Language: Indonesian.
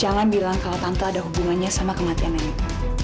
jangan bilang kalau tante ada hubungannya sama kematian nenek